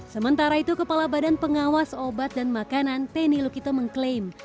sementara itu kepala badan pengawas obat dan makanan tenny lukito mengklaim